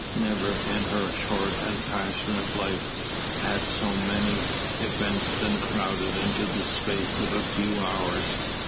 Never, in her short and passionate life, had so many events been crowded into the space of a few hours.